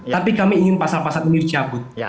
tapi kami ingin pasal pasal ini dicabut